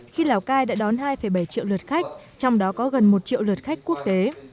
khi lào cai đã đón hai bảy triệu lượt khách trong đó có gần một triệu lượt khách quốc tế